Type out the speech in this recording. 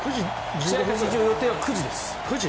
試合開始の予定は９時です。